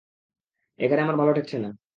এখানে আমার ভালো ঠেকছে না।